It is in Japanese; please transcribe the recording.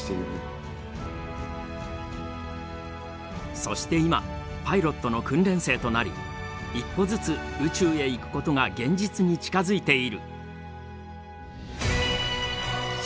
そして今パイロットの訓練生となり一歩ずつ宇宙へ行くことが現実に近づいている。